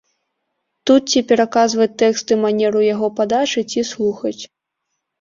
Тут ці пераказваць тэкст і манеру яго падачы, ці слухаць.